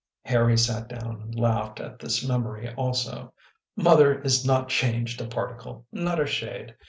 Harry sat down and laughed at this memory also. " Mother is not changed a particle, not a shade.